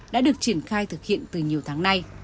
đã được triển khai thực hiện từ nhiều tháng nay